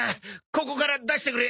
ここから出してくれ。